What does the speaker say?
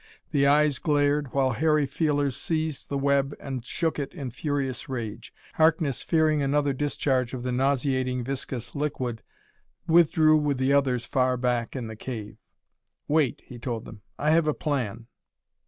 The eyes glared, while hairy feelers seized the web and shook it in furious rage. Harkness, fearing another discharge of the nauseating, viscous liquid, withdrew with the others far back in the cave. "Wait," he told them. "I have a plan."